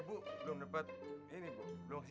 tidak ada kata berhenti